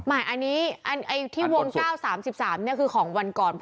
อันนี้ที่วง๙๓๓คือของวันก่อน